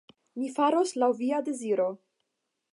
Mi faros laŭ via deziro.